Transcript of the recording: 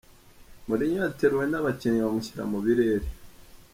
Mourinho yateruwe n'abakinnyi bamushyira mu birere.